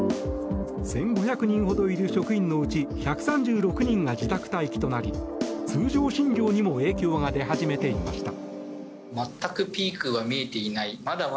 １５００人ほどいる職員のうち１３６人が自宅待機となり通常診療にも影響が出始めていました。